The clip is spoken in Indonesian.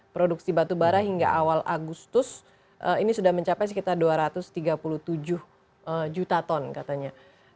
produksi batubara hingga awal agustus ini sudah mencapai sekitar dua ratus tiga puluh tujuh juta ton katanya